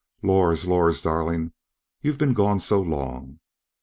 "Lors, Lors, darling. You've been gone so long."